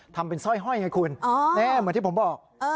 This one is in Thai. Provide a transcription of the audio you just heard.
ทำเป็นสร้อยห้อยไงคุณแน่เหมือนที่ผมบอก